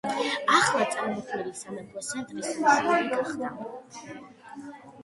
ახლად წარმოქმნილი სამეფოს ცენტრი სამშვილდე გახდა.